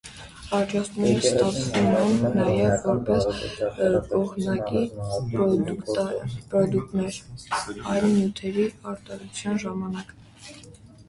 Արջասպներ ստացվում են նաև որպես կողմնակի պրոդուկտներ՝ այլ նյութերի արտադրության ժամանակ։